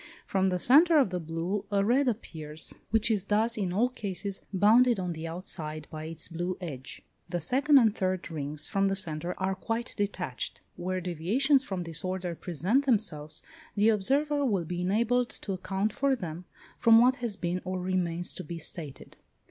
From the centre of the blue a red appears, which is thus, in all cases, bounded on the outside by its blue edge. The second and third rings from the centre are quite detached. Where deviations from this order present themselves, the observer will be enabled to account for them, from what has been or remains to be stated.